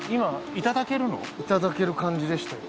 いただける感じでしたよ。